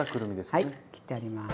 はい切ってあります。